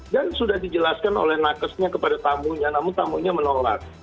dan sudah dijelaskan oleh nakasnya kepada tamunya namun tamunya menolak